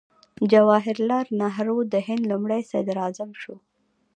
جواهر لال نهرو د هند لومړی صدراعظم شو.